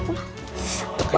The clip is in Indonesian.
tepat lagi drama